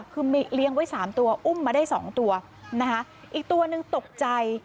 คือมีเลี้ยงไว้สามตัวอุ้มมาได้สองตัวนะคะอีกตัวหนึ่งตกใจ